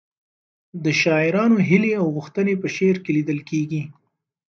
د شاعرانو هیلې او غوښتنې په شعر کې لیدل کېږي.